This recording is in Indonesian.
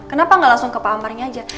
kenapa gak langsung ke pak amar aja